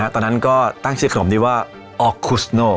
ตอนนั้นก็ตั้งชื่อขนมนี้ว่าออกคุสโน